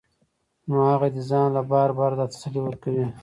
نو هغه دې ځان له بار بار دا تسلي ورکوي